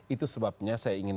itu sebabnya saya ingin